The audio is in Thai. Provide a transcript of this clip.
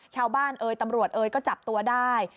ชาวบ้านเอ๋ยตำรวจเอ๋ยก็จับตัวได้